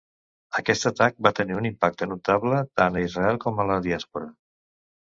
Aquest atac va tenir un impacte notable, tant a Israel com a la diàspora.